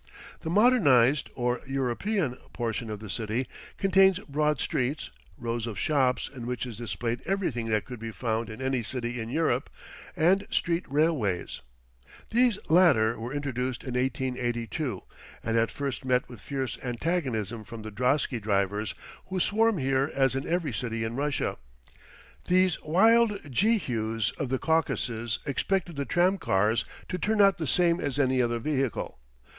The modernized, or European, portion of the city contains broad streets, rows of shops in which is displayed everything that could be found in any city in Europe, and street railways. These latter were introduced in 1882, and at first met with fierce antagonism from the drosky drivers, who swarm here as in every city in Russia. These wild Jehus of the Caucasus expected the tram cars to turn out the same as any other vehicle.